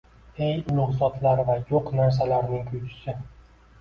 ey ulug‘ zotlar va yo‘q narsalarning kuychisi?